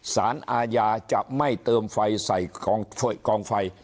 สารอาญาจะไม่เติมไฟใส่กองไฟ